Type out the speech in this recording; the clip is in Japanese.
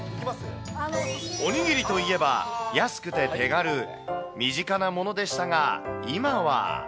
おにぎりといえば、安くて手軽、身近なものでしたが、今は。